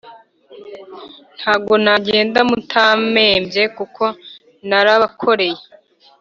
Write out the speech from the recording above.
Ntago nagenda mutamembye kuko narabakoreye